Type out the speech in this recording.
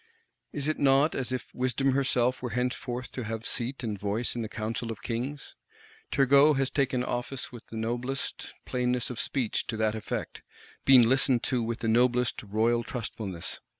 Is it not as if Wisdom herself were henceforth to have seat and voice in the Council of Kings? Turgot has taken office with the noblest plainness of speech to that effect; been listened to with the noblest royal trustfulness.